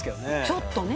ちょっとね。